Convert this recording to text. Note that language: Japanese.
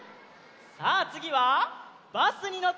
さあつぎは「バスにのって」であそぼう！